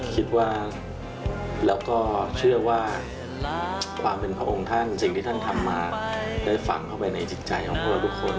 คิดว่าแล้วก็เชื่อว่าความเป็นพระองค์ท่านสิ่งที่ท่านทำมาได้ฟังเข้าไปในจิตใจของพวกเราทุกคน